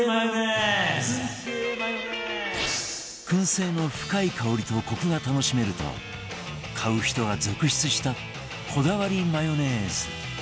燻製の深い香りとコクが楽しめると買う人が続出したこだわりマヨネーズ